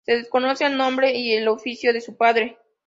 Se desconoce el nombre y el oficio de su padre.